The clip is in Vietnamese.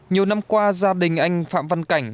nhiều năm qua gia đình anh phạm văn cảnh